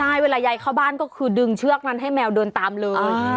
แล้วเวลายายเข้าบ้านคือดึงเชือกให้แมวเดินตามเลย